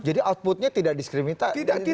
jadi outputnya tidak diskriminatif